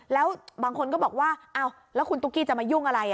แล้วบางคนก็บอกว่าอ้าวแล้วคุณตุ๊กกี้จะมายุ่งอะไร